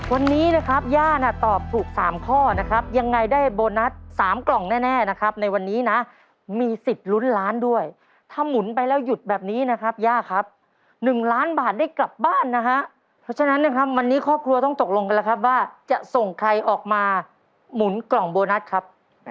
วันนี้นะครับย่าน่ะตอบถูก๓ข้อนะครับยังไงได้โบนัส๓กล่องแน่นะครับในวันนี้นะมีสิทธิ์ลุ้นล้านด้วยถ้าหมุนไปแล้วหยุดแบบนี้นะครับย่าครับ๑ล้านบาทได้กลับบ้านนะฮะเพราะฉะนั้นนะครับวันนี้ครอบครัวต้องตกลงกันแล้วครับว่าจะส่งใครออกมาหมุนกล่องโบนัสครับ